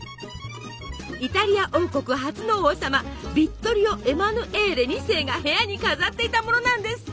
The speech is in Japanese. イタリア王国初の王様ヴィットリオ・エマヌエーレ２世が部屋に飾っていたものなんですって。